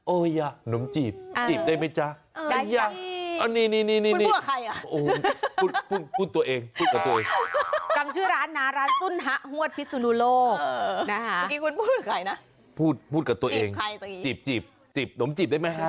โอย่ะหนมจีบจีบได้มั้ยจ๊ะโอย่ะอันนี้